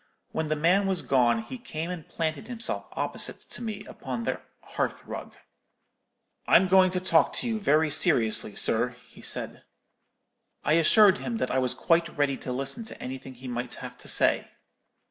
When the man was gone, he came and planted himself opposite to me upon the hearth rug. "'I'm going to talk to you very seriously, sir,' he said. "I assured him that I was quite ready to listen to anything he might have to say.